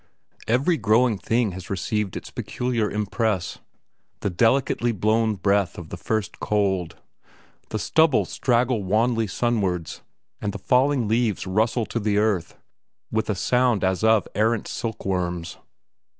Every growing thing has received its peculiar impress: the delicately blown breath of the first cold. The stubbles straggle wanly sunwards, and the falling leaves rustle to the earth, with a sound as of errant silkworms.